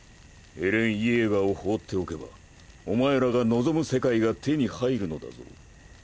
エレン・イェーガーを放っておけばお前らが望む世界が手に入るのだぞ？